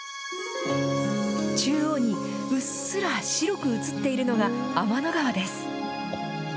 中央にうっすら白く写っているのが天の川です。